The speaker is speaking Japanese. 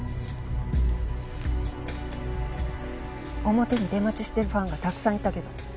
表に出待ちしてるファンがたくさんいたけど。